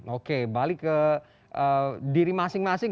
oke balik ke diri masing masing